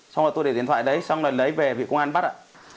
xong rồi tôi để điện thoại đấy xong rồi lấy về vì công an bắt ạ